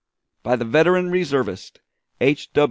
(By the veteran reservist, H.